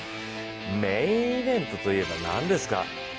メインイベントといえば何ですか？